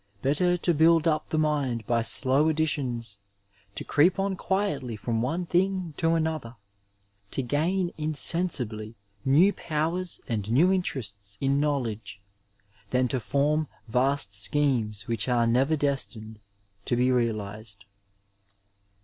Better to build up the mind by slow additions, to creep on quietly from one thing to another, to gain insensibly new powers and new interests in knowledge, than to form vast schemes which are never destined to be realiased.